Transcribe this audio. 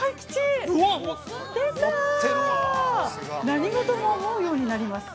何事も思うようになります。